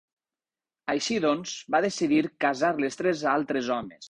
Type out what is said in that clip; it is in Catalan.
Així doncs, va decidir casar les tres a altres homes.